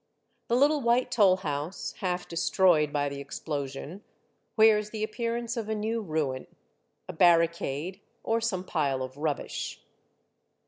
The little white toll house, half destroyed by the ex plosion, wears the appearance of a new ruin, a barricade, or some pile of rubbish.